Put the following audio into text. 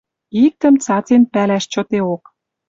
Иктӹм цацен пӓлӓш чотеок: